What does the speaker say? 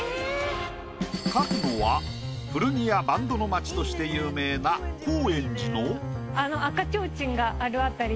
描くのは古着やバンドの町として有名な高円寺の。